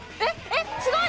すごーい！